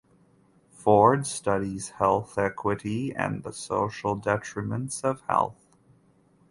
Ford studies health equity and the social determinants of health.